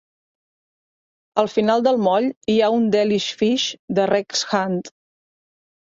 Al final del moll hi ha el Delish Fish de Rex Hunt.